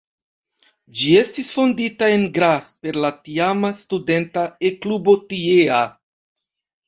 Ĝi estis fondita en Graz per la tiama studenta E-klubo tiea.